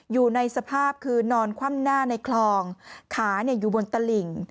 อยู่ในสภาพคือนอนคว่ำหน้าในคลองขาอยู่บนตลิ่ง